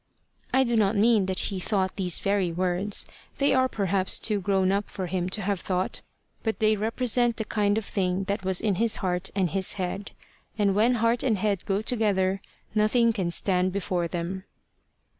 I do not mean that he thought these very words. They are perhaps too grown up for him to have thought, but they represent the kind of thing that was in his heart and his head. And when heart and head go together, nothing can stand before them.